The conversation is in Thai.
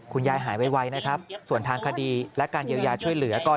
หายไวนะครับส่วนทางคดีและการเยียวยาช่วยเหลือก็